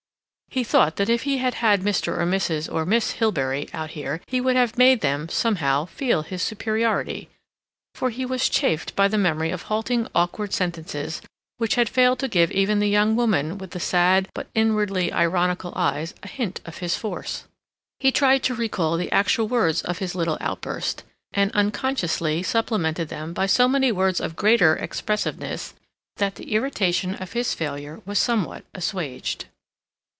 He thought that if he had had Mr. or Mrs. or Miss Hilbery out here he would have made them, somehow, feel his superiority, for he was chafed by the memory of halting awkward sentences which had failed to give even the young woman with the sad, but inwardly ironical eyes a hint of his force. He tried to recall the actual words of his little outburst, and unconsciously supplemented them by so many words of greater expressiveness that the irritation of his failure was somewhat assuaged.